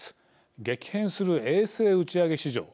激変する衛星打ち上げ市場。